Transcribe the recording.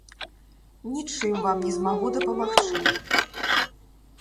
Нічым вам не змагу дапамагчы.